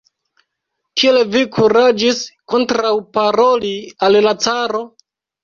Kiel vi kuraĝis kontraŭparoli al la caro?